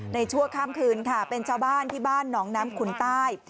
ชั่วข้ามคืนค่ะเป็นชาวบ้านที่บ้านหนองน้ำขุนใต้